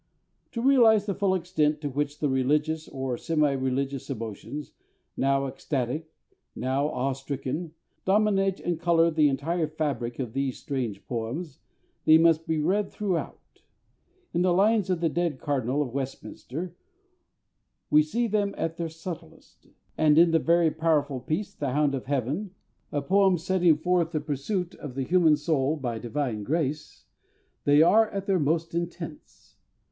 To realize the full extent to which the religious, or semi religious, emotions now ecstatic, now awe stricken dominate and colour the entire fabric of these strange poems, they must be read throughout. In the lines To the Dead Cardinal of Westminster we see them at their subtlest; and in the very powerful piece, The Hound of Heaven a poem setting forth the pursuit of the human soul by divine grace they are at their most intense....